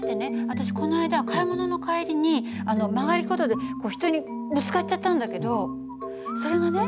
私この間買い物の帰りに曲がり角で人にぶつかっちゃったんだけどそれがね